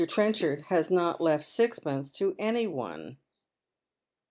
Trenchard has not Ic ft sixpence to any one."